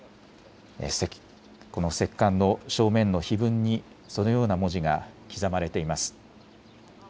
この石棺の正面の碑文にそのような文字が刻まれています。